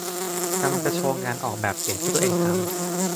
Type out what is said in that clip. กำลังจะโชว์งานออกแบบเสียงที่ตัวเองทำ